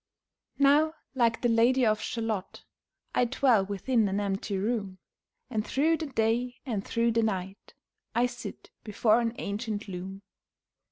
Now like the Lady of Shalott, I dwell within an empty room, And through the day and through the night I sit before an ancient loom.